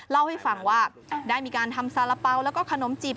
เล่าให้ฟังว่าได้มีการทำสาระเป๋าแล้วก็ขนมจีบ